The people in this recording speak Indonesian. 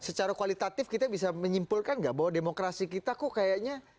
secara kualitatif kita bisa menyimpulkan nggak bahwa demokrasi kita kok kayaknya